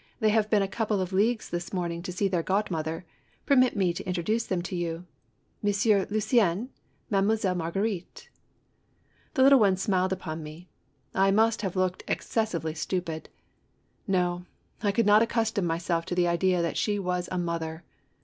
" They have been a couple of leagues this morning to see their godmother. Permit me to introduce them to you: Monsieur Lucien, Mademoiselle Marguerite!" The little ones smiled upon me. I must have looked excessively stupid. No, I could not accustom myself to 58 THE REWARD. the idea that she was a mother!